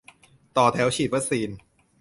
ต่อแถวฉีดวัคซีน